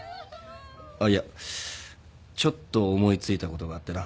あっいやちょっと思いついたことがあってな。